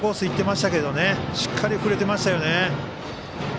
いってましたけどしっかり振れていましたね。